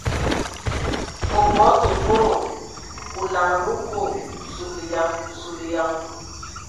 O bɔ tǝ kodo ! O laŋanǝ o boo !... Zulayan ! Zulǝyan!